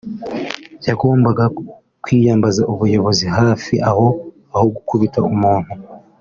yagombaga kwiyambaza ubuyobozi hafi aho aho gukubita umuntu